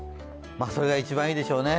それが一番いいでしょうね。